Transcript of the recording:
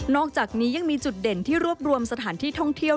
อกจากนี้ยังมีจุดเด่นที่รวบรวมสถานที่ท่องเที่ยว